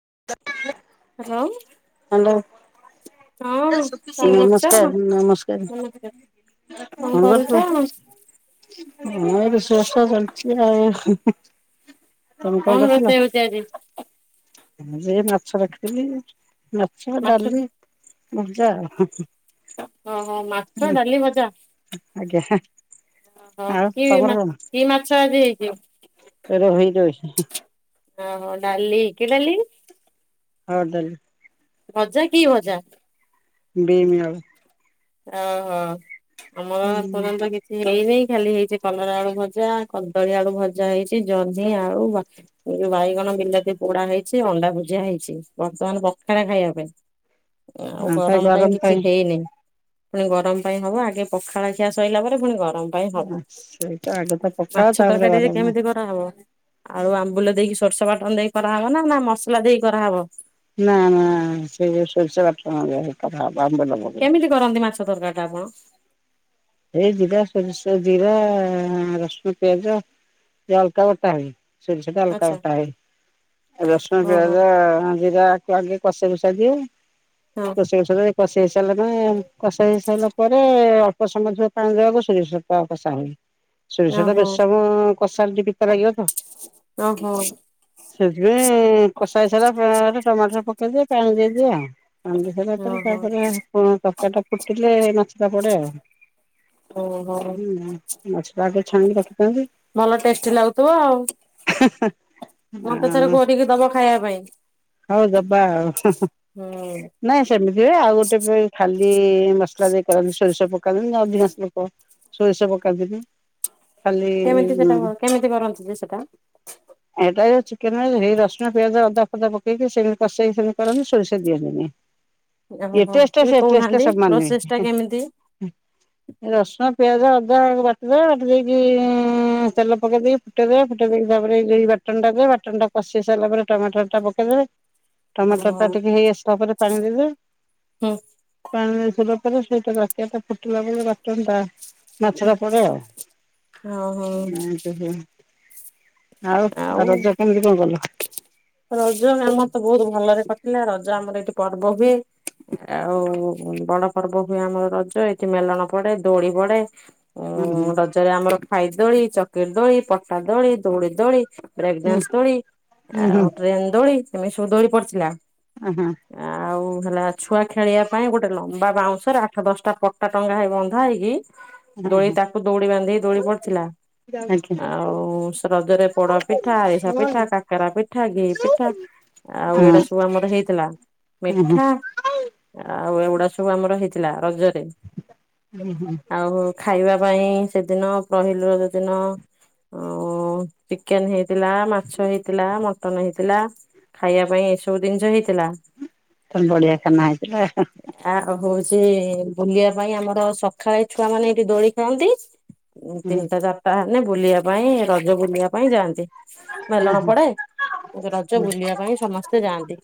Hello. ହଁ କଣ କରୁଛ ନମସ୍କାର ନମସ୍କାର କଣ କରଛ। ହଁ ଏଠ ଶେଷ ଚାଲିଛି ଆଉ। ତମେ କଣ କରୁଥିଲ? ରଛ ହେଉଛି ଆଜି ମାଛ ରଖଥିଲି। ମାଛ ଡାଲି ବଛା। ଓହୋ ମାଛ ଡାଲି ମଜା ଆଜ୍ଞା ହ ଆଉ କି ତମର କଣ କି ମାଛ ଆଜି ହେଇଯିବ। ଯ ହ ହଉଣ୍ଡାଲି କିଡଲି ହଉଦଲ ଭଜା କି ଭଜା ବମିଆଳ ହ ହୋ ଆମର ହୁଁ ତୁର କିଛି। ଏଇ ନେଇେଇ ଖାଲି ହେଇଛି କଲରା ଆଳୁ ଭଜା କଦଳୀ ଆଳୁ ଭଜା ହେଇଛି ଜହ୍ନି ଆଳୁ ଯୋଉ ବାଇଗଣ ବିଲାତି ପୋଡା ହେଇଛି ଅଣ୍ଡା ଭୁଜିଆ ହେଇଛି ବର୍ତ୍ତମାନ ପଖାରେ ଖାଇବା ପାଇଁ ଆଉ ଗରମ ପାଇଁ କିଛି ହେଇନି ପୁଣି ଗରମ ପାଇଁ ହବ ଆଗେ ପଖାଳ ଖିଆ ସୋଇଲା ପରେ ପୁଣି ଗରମ ପାଇଁ ହବ ଆଛାଇ ଆଗେ ତ ପଖାତାପଡେ ବାାର ଆଉୁ ଆମ୍ବୁଲ ଦେଇକି ସୋର୍ଷ ବାଟନ ଦେଇ କରାହେବ ନା ନା ମସଲା ଦେଇକି କରାହେବ ନା ନା ସେଇ ସର୍ଷ ବା ନ କେମିତି କରନ୍ତି ମାଛ ତରକାରୀ ାମ ଏଇ ଜିରା ସୋରିଷ ଜିରା ରସୁଣ ପିଆଜ ଅଲକା ବଟା ହ ସୋରିଷ ଟା ହାଲ୍କା ଆଚ୍ଛା ଫୁଟ ହୁଏ ରସୁଣ ଓହୋ ପିଆଜ ଏରା ଆଗେ କଷା କୁସା ଦିଏ। ହଁ କାଶୀ କୁଶା ଦେଲେ କସ ହେଇ ସାର୍ଲାନେ କଷେଇ ହେଇ ସାରିଲା ପରେ [unintelligible] ସୋରିଷ ତ ଓହୋ ବେଶ ସମ କଷାଲ ଟେ ପିତା ଲାଗିବ ତ। ଓହୋ ସେଥିପାଇଁ କଷାହେଇ ସାରିଲା ପରେ ଟମାଟର ପକ ଟିକେ ପାଣି ଦେଇଦିଅ। ପାଣି ଦେଇ ସରିଲାପରେ ଓହୋ ତାପରେ ତର ଟା ଫୁଟିଲେ ପଡ଼େ ଆଉ। ଓହୋ ହୁଁ ମାଛ ଟା ଆଗେ ଛାଣିକି ରଖିଥାନ୍ତି ଭଲ ଟେଷ୍ଟି ଲାଗୁଥିବ ଆଉ ମତେ ଥରେ ଆ କରିକି ଦବ? ଖାଇବା ପାଇଁ। ହଉ ଦବା ଆଉ ହୁଁ ନାଇଁ ସେମିତି ଆଉ ଗୋଟେ ବି ଖାଲି ମସଲା ଦେଇ କରନ୍ତି ସୋରିଷ ପକାନ୍ତିନି ନା ଅଧିକଂଶ ଲୋକ ସୋରିଷ ପକାନ୍ତିନି। ଖାଲି କେମିତି ସେଟା କେମିତି କରନ୍ତି ଯେ ସେଟା? ଏଟା ଚିକେନ ସେଇ ରସୁଣିଆଜ ଅଦା ଫଦା ପ ସେମତି କଷେଇକି ସେିତି କରନ୍ତିି ସୋରିଷ ଦିଅନ୍ତିନି। ଏ ଓହୋ ଟେଷ୍ଟ ଟିକେ ସେ ଟେଷ୍ଟ କହୁନାହାନ୍ତି ସବୁ ମାନିବେ ପ୍ରୋସେସ ଟା କେମିତି? ରସୁଣ ପିଆଜ। କୁ ବାଟିଦବା ବାଟି ଦେଇକି ତେଲ ପକେଇ ଦେଇକି ଫୁଟେଇଦବା ଫୁଟେଇ ଦେଇକି ତାପ ବାଟନ ଟା ଦେ ବାଟନ ଟା କଷି ସାରିଲା ପରେ ଟମାଟର ଟା ପକେ [unintelligible] ହଁ ଟମାଟର ଟା ଟିକେ ହେଇ ଆସିବା ପରେ ପାଣି ଦେବେ। ହୁଁ। ପାଣିରେ ଦେବା ପରେ ସେଇଟା ରାକିଆ ଟା ଫୁଟିଲା ବ ବାଚନ୍ତା ହୁଁ ମାଛର ପଡେ ଆଉ। ହଁ ହଁ। ଓହୋ ଆଉ ଆଉ ରଜ କେମିତି କଣ କଲ? ରଜ ଆମର ତ ବହୁତ ଭଲରେ କଟ୍ ଥିଲା ରଜ ଆମର ଏଠି ପର୍ବ ହୁଏ ଆଉ ବଡ ପର୍ବ ହୁଏ ଆମର ରଜ ଏଠି ମେଲଣ ପଡେ ଦୋଳି ପଡେ ହୁଁ ଉଁ ହୁଁ ରଜରେ ଆମର ଖାଇ ଦୋଳି ଚକିର ଦୋଳି ପଟା ଦୋଳି ଦୋଳି ଦୋଳି। ହୁଁ ବ୍ରେଗଡ୍ୟାନ୍ସ ଦୋଳି ହୁଁ ହୁଁ ଆଉ ଦୌଳି ତମେ ସବୁ ଦୋଳି ପଡିଥିଲା? ହ ହୋ। ଆଉ ହେଲା ଛୁଆ ଖେଳିବା ପାଇଁ ଗୋଟେ ଲମ୍ବା ବାଉଁଶରେ ଆଠ ଦଶଟା ପଟା ଟଙ୍ଗା ହେଇ ବନ୍ଧା ହେଇକି ହଁ ଦୋଳି ହଁ ତାକୁ ଦୋଡି ବାନ୍ଧି ଦୋଳି ପଡିଥିଲା ଆଜ୍ଞା ଆଉ ରଜରେ ପୋଡ ପିଠା, ଆରିଷା ହଁ ପିଠା, କାକରା ପିଠା ପଠା ଘ ପିଠା ଆଉ ଏଇଟା ସବୁ ଆମର ହେଇଥିଲା ହୁଁ ହୁଁ ମିଠା ଆଉ ଏଗୁଟା ତ ସବୁ ଆମର ହେଇଥିଲା ରଜ ହୁଁ ହୁଁ ଆଉ। ଖାଇବା ପାଇଁ ସେଦିନ ପହିଲି ରଜ ଦିନ ଚିକେନ ହେଇଥିଲା ମାଛ ହେଇଥିଲା। ମଟନ ହେଇଥିଲା ଖାଇବା ପାଇଁ ଏସବୁ ଜିନିଷ ହେଇ ତ ବଢ଼ିଆ ଖାନା ହୋଇଥିଲା। ଆ ହଉଛି ବୁଲିବା ପାଇଁ ଆମର ସକାଳେ ଛୁଆ ମାନେ ଏଇଠି ଦୋଳି ଖେଳନ୍ତି। ହୁଁ। ତିନିଟା ଚାରିଟା ମାନେ ବୁଲିବା ପାଇଁ ରଜ ବୁଲିବା ପାଇଁ ଯାଆନ୍ତି। ହୁଁ ମେଲଣ ହୁଁ ପଡେ? ରଜ ବୁଲିବା ପାଇଁ ସମସ୍ତେ ଯାଆନ୍ତି,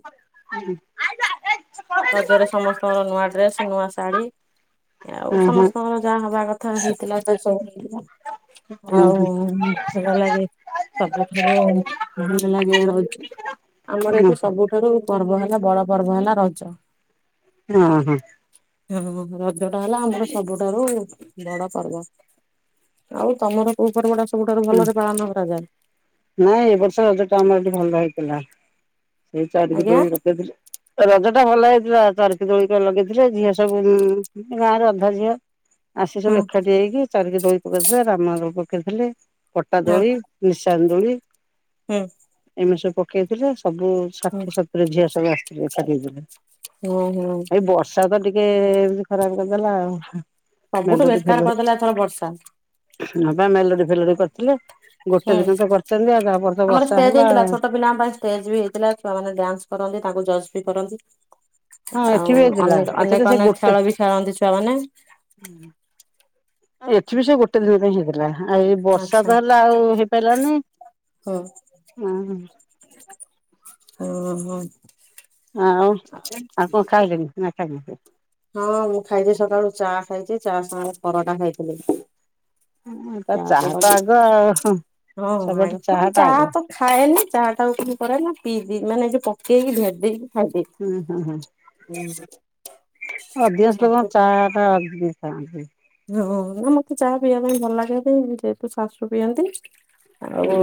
ରଜରେ ସମସ୍ତଙ୍କର ନୂଆ ଡ୍ରେସ ନୂଆ ଶାଢ଼ୀ। ହୁଁ ଆଉ ହୁଁ ସମସ୍ତଙ୍କର ଯାହା ହବା କଥା ହେଇଥିଲା ଏପାଳି ସବୁ ହୁଁ ଆଉ ହୁଁ ଭଲଲାଗେ ସବୁଠାରୁ ଭଲଲାଗେ ରହିଛି ଆମର ହୁଁ ଏଇଠି ସବୁଠାରୁ ପର୍ବ ହେଲା ବଡ ପର୍ବ ହେଲା ରଜ। ହଁ ହଁ। ହଁ ରଜ ଟା ହେଲା ଆମର ସବୁଠାରୁ ବଡ ପର୍ବ ଆଉ ତମର କୋଉ ପର୍ବଟା ସବୁଠାରୁ ହୁଁ। ଭଲରେ ପାଳନ କରାଯାଏ। ନାଇଁ ଏ ବର୍ଷ ରଜଟା ଆମରଏଠି ଭଲ ହେଇଥିଲା। ସେଇ ଚାରିିକ ଆଜ୍ଞା ଦିନ ରଖେଇଥିଲେ ରଜ ଟା ଭଲ ହେଇଥିଲା ଚାରି ଦୋଳିତ ଲଗେଇଥିଲେ ଝିଅ ସବୁ ଗାଁରୁ ଅଧା ଝିଅ ଆସି ହଁ ସବୁ ଏକାଠି ହେଇକି ଚାରିକି ଦୋଳି ପକାଇଥିଲେକଲଲଲଲଲଲଲଲଲ ରାମ ର। [unintelligible] [unintelligible] କଟା ହଁ ଦୋଳି ନିସ ଚାନ୍ଦୁଳି ହୁଁ ଏମିତି ସବୁ। [unintelligible] ସବୁ ହୁଁ ଷାଠିଏ ସତୁରୀ ଝିଅ ସବୁ ଆସି [unintelligible] ହୁଁ ହୁଁ ଏଇ ବର୍ଷା ତ ଟିକ। ଟିକେ ଏମତି ଖରାପ କରିଦେଲା ଆଉ। ସବୁଠୁ ମେଲୋଡି ବେକାର ଫେଲୋଡି କରିଦେଲା ଏଥର ବର୍ଷା। ହଁ ବା ମେଲୋଡି କରିଥିଲେ? ଗୋଟେ ହୁଁ ଦିନ ତ କରିଛନ୍ତି ଆଉ ତାପରେ ତ ଆମର ବର୍ଷା ଷ୍ଟେଜ ହେଲା ହେଇଥିଲା। ଛୋଟ ପିଲାଙ୍କ ପାଇଁ ଷ୍ଟେଜ ବି ହେଇଥିଲା। ଛୁଆ ମାନେ ଡ୍ୟାନ୍ସ କରନ୍ତି ତାଙ୍କୁ ଜଜ୍ ବି କରନ୍ତି। ହଁ ଏଠି ବି ଆଉ ହେଇଥିଲା ଅନକ ଏଠି ତ ଅନେକ ସେ ଅନେକ ଗୋଟେ ଖେଳ ବି ଖେଳନ୍ତି ଛୁଆମାନେ। ଆରେ ଏଠିବି ସେ ଗୋଟେ ଦିନ ପାଇଁ ହେଇଥିଲା। ଆଉ ଏ ବର୍ଷା ଆଚ୍ଛା ତ ହେଲା ଆଉ ହେଇପାରିଲାନି। ହୁଁ। ଅହଁ। ଓ ଓ ହୋ। ହଁ ଆଉ କଣ ଖାଇଲେଣି? ନା ଖାଇନି ସେ। ଖାଇଚି। ଚା ସାଙ୍ଗରେ ପରଟା ଖାଇଥିଲି। [unintelligible] ତା ଚା ଚାହା ତ ଆଗ ଆଉ ହଁ ସବୁଠୁ ଚାହା [unintelligible] ଟା ଚା ଆଗ। ତ ଖାଏନି ଚା ଟାକୁ କି କରେ ନା ପି ଦି ମାନେ ଏଠି ପପ୍ କେହି କିି ଭେଟ ଦେଇକି ହୁଁ ହୁଁ ହୁଁ ହା [unintelligible] ହଁ। ଅଧିକାଂଶ ଲୋକଙ୍କ ଚାଟା ଅଧିକ ଖାଆନ୍ତି। ହଁ ନା ମତେ ଚାହା ପିଇବା ପାଇଁ ଭଲ ଲାଗେ ତ ଯେହେତୁ ଶାଶୁ ପିଅନ୍ତି। ଆଉ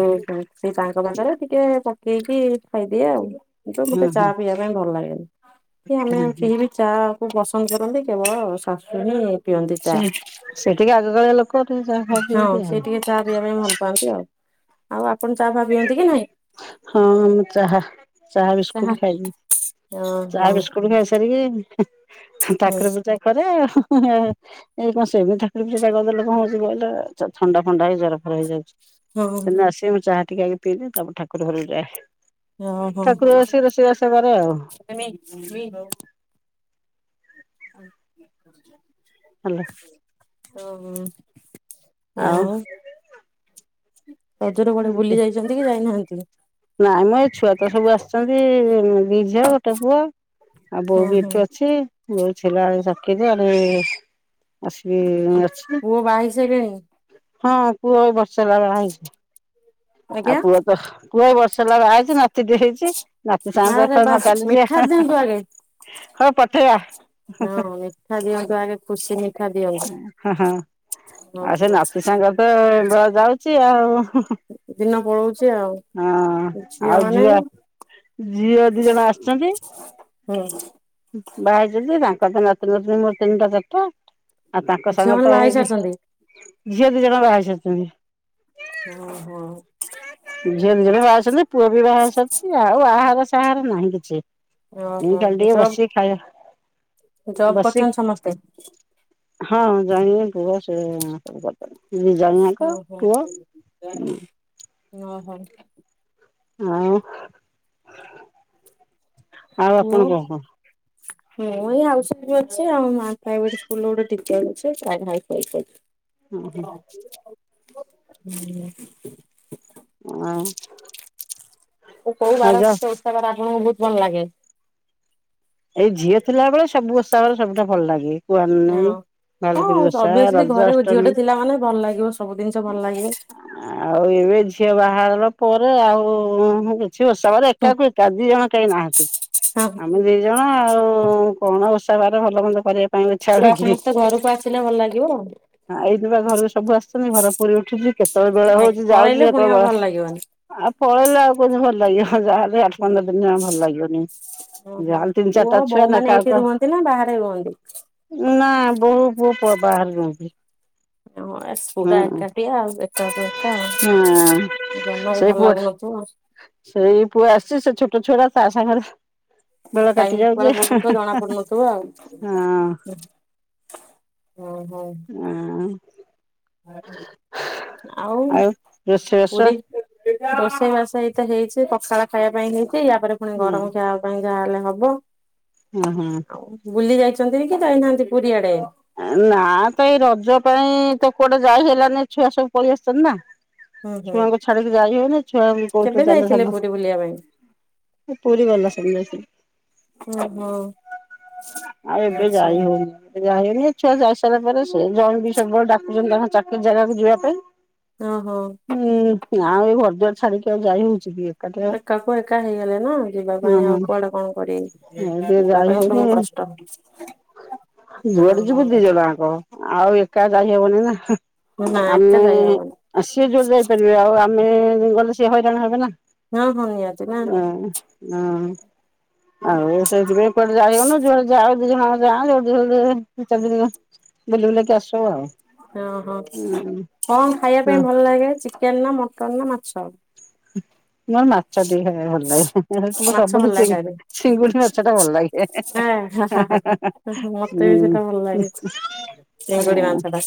ସେ ତାଙ୍କ ପାଖରେ ଟିକେ ପକ୍ ପି ପି ଖାଇଦିଏ ଆଉ। ମୋତେ ହୁଁ [unintelligible] ଚା ହୁଁ ପିଇବା ପାଇଁ ଭଲ ଲାଗେନି। କି ଆମେ ହୁଁ କେହି ବି ଚା? ପସନ୍ଦ କରନ୍ତି। କେବଳ ଶାଶୁ ହିଁ ପିଅନ୍ତି ଚା। ସେଟିକେ ଆଗକାଳିଆ ଲୋକ ଟିକେ ଚାହା ଫା ହଁ ପିଅନ୍ତି ଆଉ। ସେ ଟିକେ ଚାହା ପିଇବା ପାଇଁ ଭଲ ପାଆନ୍ତି ଆଉ। ଆଉ ଆପଣ ଚାହା ପାହା ପିଅନ୍ତି କି ନାଇଁ? ହଁ ମୁଁ ଚାହା ଚାହା ବିସ୍କୁଟ ଖାଇଲି ଓହୋ ଚାହା ହଁ ବିସ୍କୁଟ ଖାଇ ସାରିକି ହଁ ଠାକୁର ପୂଜା କରେ ହଁ ହଁ ହଁ ଇଏ କଣ ସେମିତି ଠାକୁର ପୂଜା [unintelligible] କଣ ହଉଛି କହିଲ ଥଣ୍ଡା ଫଣ୍ଡା ହେଇ ଜର ଫର ହେଇଯାଉଚି। ଓହୋ। ସେ ନାସୀ ମୁ ଚାହା ଟିକେ ଆଗେ ପିଦେ ତା ପରେ ଠାକୁର ଘରୁକୁ ଯାଏ। ଓ ହୋ ହୋ। ଆସିକି ରୋଷେଇବାସ କରେ ଆଉ [unintelligible] ହଁ। ହାଲୋ। ଓହୋ। ୟାଉଁ ଯାଇନାହାନ୍ତି? ନାଇଁ ମ ଏଇ ଛୁଆ ତ ସବୁ ଆସିଛନ୍ତି ଦି ଝିଅ ଗୋଟେ ପୁଅ। ଆଉ ବୋହୂ ହଁ ବି ହଁ ଏଠି ଅଛି ବୋହୂ [unintelligible] ଆସିବେ ଅଛି ପୁଅ ବାହା ହେଇ ସାଇଲେଣି? ହଁ। ପୁଅ ଏ ବଷ ର୍ଷ ହେଲା ବାହା ହେଇଚି। ଆ ଆଜ୍ଞା ପୁଅ ତ ପୁଅ ବର୍ଷେ ହେଲା ବାହା ହେଇଛି ନା ତିଟେ ହେଇଛି। ନାତି ସାଙ୍ଗେ ତ ଆରେ ବା ଖେଳନା ଚାଲିଛି ମିଠା ଆ ଦିଅନ୍ତୁ ଆଗେ। ହଁ ପଠେଇବା। ହଁ ମିଠା ଦିଅନ୍ତୁ ଆଗେ ଖୁସି ମିଠା ହଁ ହଁ। ଦିଅନ୍ତୁ ହ ଘ ଯାଉଛି ଆଉ ହୁଁ ହୁଁ। ପଳଉଛି ଆଉ ହଁ ଝିଅ ଆଉ ମାନେ ଝୁଅ ଝିଅ ଦି ଜଣ ଆସିଛନ୍ତି। ହୁଁ ବାହା ହେଇଛନ୍ତି ତାଙ୍କର ତ ନାତି ନାତୁଣୀ ମୋର ତିନିଟା ଚ଼ାରିଟା। ଆଉ ତାଙ୍କ ଝିଅ ସାଙ୍ଗର ମାନେ ତ ବାହା ହେଇ ହେଇକି ସାରିଛନ୍ତି? ଝିଅ ଦି ଜଣ ବାହା ହେଇସାରିଚନ୍ତି। ଓହୋ। ଝିଅ ଦିଜଣ ବାହେଇସନ୍ତି ପୁଅ ବିବାହ ସରିଚି ଆଉ ବାହାଘର ସାହାଘର ନାହିଁ କିଛି। ଓହୋ ଖାଲି ଟିକେ ଜବ୍ ବସି ଖାଇବା ଜବ୍ ବସି କରୁଛନ୍ତି ସମସ୍ତେ? ହଁ ଜାଣିବ ପୁଅ ସବୁ ଇଏ ସବୁ କରିଦବ। ଦିଜଣ ଜାକ ପୁଅ ନ ହ। ହଁ। ଆଉ ଆପଣ କ କଣ? ହଁ ମୁଁ ଏଇ ହାଉସ୍ ୱାଇଫ୍ ଅଛି ଆଉ। ମା ପ୍ରାଇଭେଟ୍ ସ୍କୁଲରେ ଗୋଟେ ଟିଚ଼ର ଅଛି ଆଉ ଭାଇ କଣ [unintelligible] ହୁଁ [inaudible] ହଁ। କୋଉ ବାର କେତେ ଉତ୍ସବ ରା ମୁଁ ବହୁତ ଭଲ ଲାଗେ। ଏଇ ଝିଅ ଥିଲା ବେଳେ, ସବୁ ଓଷା ବାର ସବୁଠା ଭଲ ଲାଗେ। କୁଆଁର ପୁନେଇ, ହଁ ଭାଲୁକୁଣୀ ହଁ ଓଷା, ଅଭିଅସଲି ରଜ ଘରେ ଅଷ୍ଟମୀ ଝିଅଟେ ଥିଲା ମାନେ ଭଲ ଲାଗିବ ସବୁ ଜିନିଷ ଭଲ ଲାଗିବ। ଆଉ ଏବେ ଝିଅ ବାହା ଘର ପରେ ଆଉ ଓଷାବାରେ ହୁଁ ଏକାକୁ ଏକା ଦିଜଣ କେହି ନାହାଁନ୍ତି ହଁ ଆମେ ଦିଜଣ ଆଉ ହଁ କଣ ଓଷା ବାାର ଭଲ ମନ୍ଦ କରିବାକୁ ଛୁଆ ସମସ୍ତେ ଘରକୁ ଆସିଲେ, ଭଲ ଲାଗିବ ଆଉ। ଏଇଥି ବା ଘରକୁ ସବୁ ଆସୁଛନ୍ତି ଘର ପୁରୀ ଉଠୁଛି। କେତେବେଳେ ବେଳ ହଉଛି ଯାଉଛି, ପଳେଇଲେ ପୁଣି କେତେବେଳେ ଆଉ ବ ଭଲ ଲାଗିବନି। ଆଉ ପଳେଇଲେ ଆଉ କହୁ ଭଲ। ଲଏ [unintelligible] ଯାହାଲେ ଆଠ ପନ୍ଦର ଦିନ ଆଉ ଭଲ ଲାଗିବନି। ଓହୋ ଯାହାହେଲେ ତିନି ପୁଅ ଚାରିଟା ଛୁଆ ବୋଉ ନା ମାନେ କାହାକୁ ଏଇଠି କାହାକୁ ରୁହନ୍ତି ନା ବାହାରେ ରୁହନ୍ତି? ନା ବୋହୂ ପୁଅ ପୁଅ ବାହାର ରୁହନ୍ତି। ହଁ ଏ ପୁରା ହୁଁ ଏକାଠିଆ ଆଉ ଏକାକୁ ଏକା ହଁ ଜମା ବି ସେଇ ଭଲ ପୁଅ ଲାଗୁନଥିବ ଆଉ। ସେଇ ପୁଅ [unintelligible] ଟାଇମ ପରେ ଯାଉଛି ବସୁଥିବ ଜଣା ପଡୁନଥିବ ହଁ। ଆଉ ହ ହୋ। ହଁ ଆଉ ପୁରୀ ରୋଷେଇବାସ ଏଇତ ହେଇଛି, ପଖାଳ ଖାଇବା ପାଇଁ ହେଇ ସେଇୟା ପରେ ପରେ ପୁଣି ହଁ ଗରମ ଖାଇବା ପାଇଁ ଯାହାହେଲେ ହବ। ହଁ ହଁ। ଆଉ ବୁଲି ଯାଇକି। ଅଛନ୍ତି କି ଯାଇନାହାନ୍ତି ପୁରୀ ଆଡେ? ନା ତ ଏଇ ରଜ। ପାଇଁ ତ କୁଆଟେ ଯାଇ ହେଲାନି ଛୁଆ ସବୁ ପଳେଇଆସୁଛନ୍ତି ନା। ହୁଁ ହୁଁ ଛୁଆଙ୍କୁ ଛାଡିକି ଯାଇ ହଉ ନି ଛୁଆଙ୍କୁ କୋଉଠୁ କେବେ ଚାଲ [unintelligible] ଯାଇଥିଲେ ସବୁ ପୁରୀ ବୁଲିବା ପାଇଁ? ପୁରୀ ଗଲା ସ ଓହୋ ଆଉ ଏବେ ଆଚ୍ଛା ଯାଇ ହଉନି ଯାଇ ହଉ। ଛୁଆ ଯାଇସାରିଲା ପରେ ସେ ଜଣ ବି ସବୁବେଳେ ଡାକୁଛନ୍ତି, ତାଙ୍କ ଚାକିରି ଜାଗାକୁ ଯିବା ପାଇଁ। ହ ହୋଉ। ହୁଁ ଆଉ ଏଇ ଘର ଦ୍ବାର ଛାଡିକି ଆଉ ଯାଇ ହଉଛି କି? ଏକାଟିଆ ଏକାକୁ ଏକା ହେଇଗଲେ ନା ଯିବା ପାଇଁ ଆଉ କୁଆଡେ କଣ କରିବି, ଯିବା ପାଇଁ ସବୁ କଷ୍ଟ। ଯୁଆଡ ଓହୋ। ଯିବୁ ଦି ଜଣ ଯାକ, ଆଉ। ଏକା ଯାାଇ ହେବନ ନା ନା ଏତେ ଯାଇହବନି ଆମେ ସିଏ ଯୋଉ ଯାଇପାରିବେ ଆଉ ଆ ଆମେ ଗଲେ ସେ ହଇରାଣ ହେବେ ନା। ହଁ ହଁ ନିହାଦ ନା। ହଁ। ହଁ ଆଉ ସେଇଥିପାଇଁ କୁଆଡେ ଯାଇ ହବନୁ ଯଆଡେ ଯାଉଛୁ। ହଁ ଯା ଜୋ ଜୋ ଚି ଦ ବୁଲି ବୁଲି ବାଲି କି ଆସୁ, ଆଉ। ଓହୋ କଣ ଖାଇବା ହୁଁ ପାଇଁ ଭଲ ଲାଗେ ଚିକେନ, ନା ମଟନ୍, ନା ମାଛ? ଛ। [unintelligible] ମୋର ମାଛ ଟିକେ ଖଇବାକୁ ଭଲ ଲାଗେ। ହଉଚି ମୋର ମାଛ ସବୁଠୁ ଭଲ ଚିଙ୍ଗ ଲାଗେ ଚିଙ୍ଗୁଡ଼ି ମାଛ ଟା ଭଲ ଲାଗେ ଖାଇବା ପାଇଁ ମତେ ହଁ ବି ସେଇଟା ଭଲ ଲାଗେ ଚିଙ୍ଗୁଡି ହଁ ମାଛ ଟା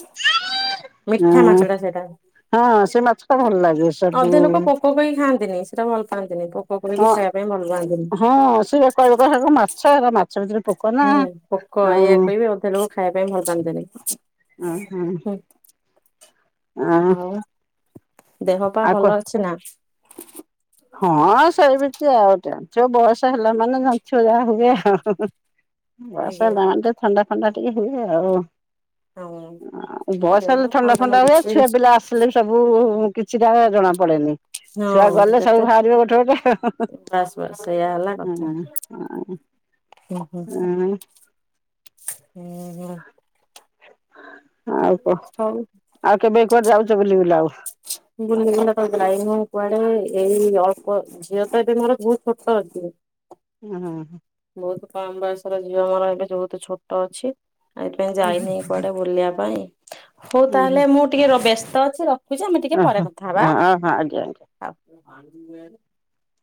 ହ ମିଠା ମାଛ ଟା ସେଇଟା ହଁ ସେ ମାଛ ଟା ଭଲ ଲାଗେ ସବୁ। ଅଧେ ଲୋକ ପୋକ କହି ଖାନ୍ତିନି ସେଟା ଭଲ ପାଆନ୍ତିିନି। ପୋକ କହିକି ହଁ ଖାଇବା। ଭଲ ପାଆନ୍ତିନି। ହଁ ସିଏ କହିବ କହିବା ହେରା ମାଛ ମାଛ ଭିତରେ। ପୋକ ନା ହୁଁ ପୋକ ଆଉ ଏଇଆ କହିବି ଅଧା ଲୋକ ଖାଇବା ପାଇଁ ଭଲପାନ୍ତିନି। ଓ ହ। ହ ଦେହ ପା ଆଉ କ ଭଲ ଅଛି ନା। ହଁ ସଇବତି ଆଉଟେ। ଯଉ ବୟଷ ହେଲା ମାନେ ଛୁଆ ଯା ହୁଏ ଆଉ। ବୟସ ଆଜ୍ଞା ହେଲା ମାନେ ତ ଥଣ୍ଡା। ଥଣ୍ଡା ଟିକେ ହୁଏ ଆଉ। ହଁ ଉ ବସ ଦେହ ହେଲେ ଥଣ୍ଡା ଫଣ୍ଡା ମଣ୍ଡା ହୁଏ ଟିକେ ଛୁଆ ପିଲା ଆସିଲେ ବି ସବୁ। କିଛିଟା ଜଣାପଡେନି। ହଁ। ସବୁ ଯେତେ ବାହାରିବ ଗୋଟେ ଗୋଟେ ବାସ୍ ବାସ୍ ସେଇଆ ହେଲା କଥା ହ। ହୁଁ ହୁଁ ଉଁ। ହୁଁ ହୁଁ। ଆଉ କହ ହଉ ଆଉ କେବେ କୁଆଡେ ଯାଉଛୁ। ବୁଲି ବୁଲା ଆଉ। ବୁଲି ବୁଲା ତ ଯାଇନୁ କୁଆଡେ ଏଇ ଅଳ୍ପ ଝିଅ ତ ଏବେ ମୋର ବହୁତ ଛୋଟ ଅଛି। ହୁଁ ହୁଁ। ବହୁତ କମ ବୟସର ଝିଅ ମ ରହିବେ ବହୁତ ଛୋଟ ଅଛି। ଏଇଥିପାଇଁ ଯାଇନେଇ କୁଆଡେ ଆଉ। ବୁଲିବା ପାଇଁ। ହଉ ତାହେଲେ ମୁଁ ଟିକେ ରବସ୍ତ। ତ ଅଛି ର। ଓ ହୋ ହ ଓ ହଁ ଆଜ୍ଞା ଆଜ୍ଞା। [unintelligible]